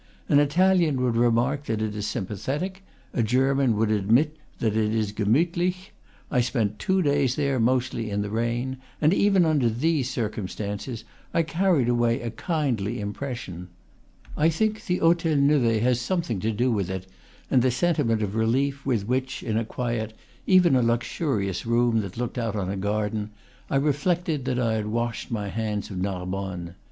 An Italian would remark that it is sympathetic; a German would admit that it is gemuthlich. I spent two days there, mostly in the rain, and even under these circum stances I carried away a kindly impression. I think the Hotel Nevet had something to do with it, and the sentiment of relief with which, in a quiet, even a luxurious, room that looked out on a garden, I reflected that I had washed my hands of Narbonne.